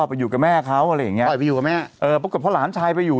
ไปอยู่กับแม่เขาอะไรอย่างนี้อยู่กับแม่พ่อหลานชายไปอยู่